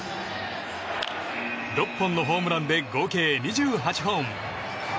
６本のホームランで合計２８本。